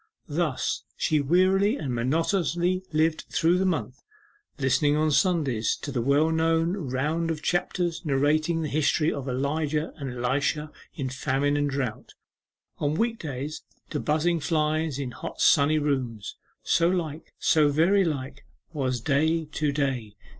Thus she wearily and monotonously lived through the month, listening on Sundays to the well known round of chapters narrating the history of Elijah and Elisha in famine and drought; on week days to buzzing flies in hot sunny rooms. 'So like, so very like, was day to day.